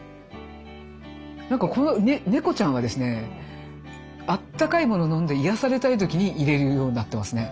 なんかこの猫ちゃんはですねあったかいもの飲んで癒やされたい時に入れるようになってますね。